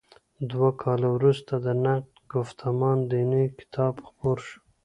دوه کاله وروسته د نقد ګفتمان دیني کتاب خپور شو.